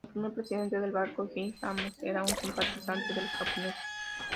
El primer presidente del banco, Yi Jae-won era un simpatizante de los japoneses.